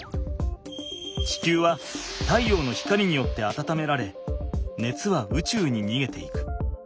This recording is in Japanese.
地球は太陽の光によってあたためられねつはうちゅうににげていく。